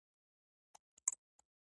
موږ کولای شو مرګ ته د امتیاز په توګه وګورو